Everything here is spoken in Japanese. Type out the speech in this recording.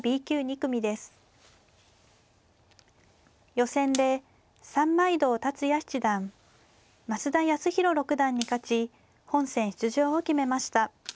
予選で三枚堂達也七段増田康宏六段に勝ち本戦出場を決めました。